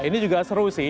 ini juga seru sih